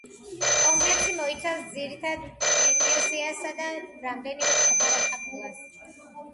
კომპლექსი მოიცავს ძირითად ეკლესიასა და რამდენიმე პატარა კაპელას.